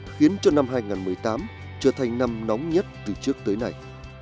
khiến cho năm hai nghìn một mươi tám trở thành năm nóng nhất từ trước tới nay